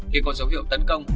khi còn dấu hiệu tấn công